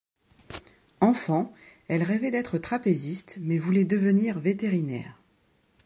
Enfant, elle rêvait d'être trapéziste mais voulait devenir vétérinaire.